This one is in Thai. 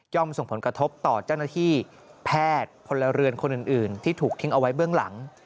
ส่งผลกระทบต่อเจ้าหน้าที่แพทย์พลเรือนคนอื่นที่ถูกทิ้งเอาไว้เบื้องหลัง